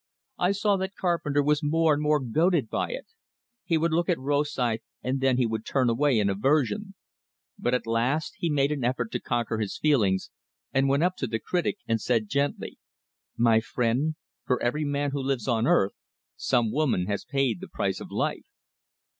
I saw that Carpenter was more and more goaded by it. He would look at Rosythe, and then he would turn away in aversion. But at last he made an effort to conquer his feelings, and went up to the critic, and said, gently: "My friend: for every man who lives on earth, some woman has paid the price of life."